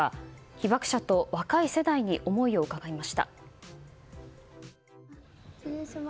被爆者と若い世代に思いを伺いました。